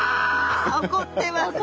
怒ってますね。